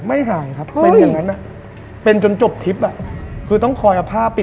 ไม่หายเลย